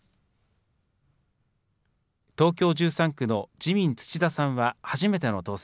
東京１３区の自民、土田さんは初めての当選。